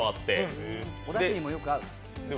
おだしにもよく合う。